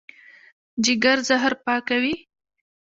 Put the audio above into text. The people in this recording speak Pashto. جګر زهر پاکوي.